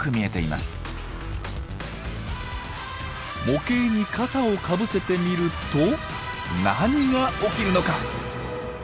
模型に傘をかぶせてみると何が起きるのか。